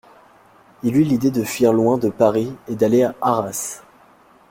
Il eut l'idée de fuir loin de Paris et d'aller à Arras.